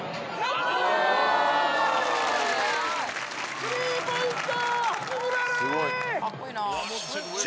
スリーポイントいけ！